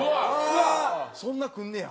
「そんなくんねや」